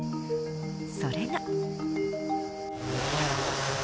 それが。